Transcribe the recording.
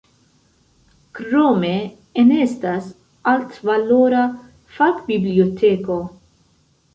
Krome enestas altvalora fak-biblioteko.